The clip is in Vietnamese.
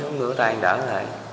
cũng dùng để